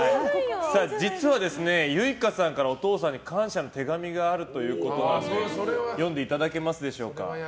実は結奏さんから感謝の手紙があるということで読んでいただけますでしょうか。